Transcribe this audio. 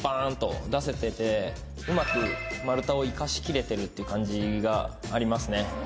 うまく丸太を生かしきれてるって感じがありますね。